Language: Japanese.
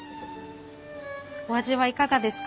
お味はいかがですか？